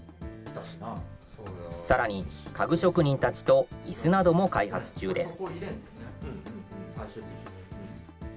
さらに、家具職人たちといすなども開発中です。